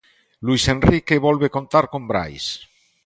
Luís Enrique volve contar con Brais.